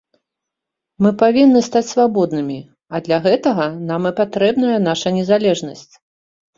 Мы павінны стаць свабоднымі, а для гэтага нам і патрэбная наша незалежнасць.